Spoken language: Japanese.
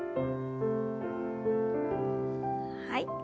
はい。